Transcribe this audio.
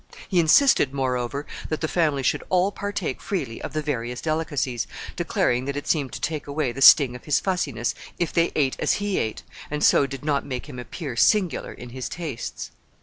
He insisted, moreover, that the family should all partake freely of the various delicacies, declaring that it seemed to take away the sting of his fussiness if they ate as he ate, and so did not make him appear singular in his tastes.